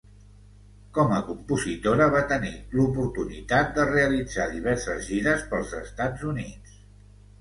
Com a compositora va tenir l'oportunitat de realitzar diverses gires pels Estats Units.